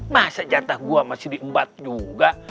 masa jatah gue masih diembat juga